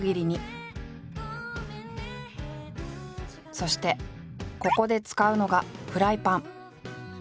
そしてここで使うのがフライパン。